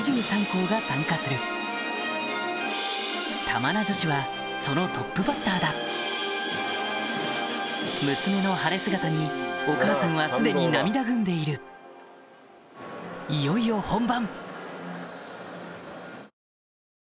玉名女子はそのトップバッターだ娘の晴れ姿にお母さんはすでに涙ぐんでいるいよいよ本番